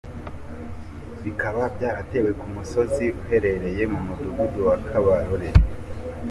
Bikaba byaratewe ku musozi uherereye mu mudugudu wa Kabarore.